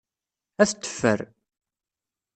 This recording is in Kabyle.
Ad t-teffer.